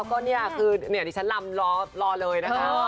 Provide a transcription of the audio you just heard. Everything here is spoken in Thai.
ก็เนี่ยคือเนี่ยฉันลำรอรอเลยนะคะ